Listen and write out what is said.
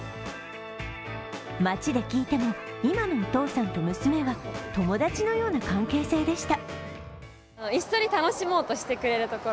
街で聞いても、今のお父さんと娘は友達のような関係性でした。